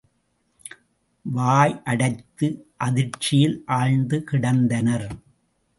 வாயடைத்து அதிர்ச்சியில் ஆழ்ந்து கிடந்தனர்.